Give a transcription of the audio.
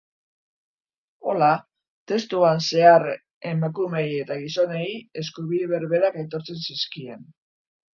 Hola, testuan zehar emakumeei eta gizonei eskubide berberak aitortzen zizkien.